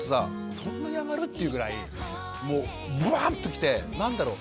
そんなにあがる？っていうぐらいもうブワッときて何だろう？